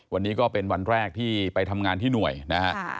วันนี้ก็เป็นวันแรกที่ไปทำงานที่หน่วยนะฮะ